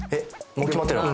もう決まってるん？